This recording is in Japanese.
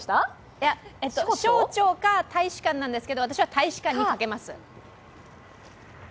いや、省庁か大使館なんですけれども私は大使館にかけます。